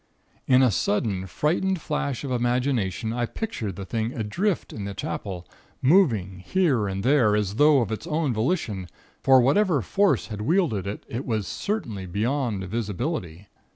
"In a sudden, frightened flash of imagination, I pictured the thing adrift in the Chapel, moving here and there, as though of its own volition; for whatever Force wielded it, was certainly beyond visibility.